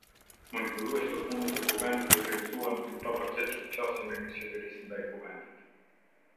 Monitorues të punës së Kuvendit e vlerësuan të papërgjegjshme qasjen e Qeverisë ndaj Kuvendit.